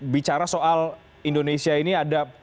bicara soal indonesia ini ada